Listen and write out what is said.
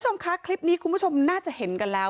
คุณผู้ชมคะคลิปนี้คุณผู้ชมน่าจะเห็นกันแล้ว